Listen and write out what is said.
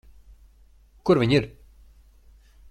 Kur viņi ir?